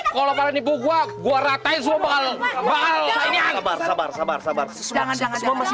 kalau ini buku gua gua ratai sobal bal sabar sabar sabar sabar jangan jangan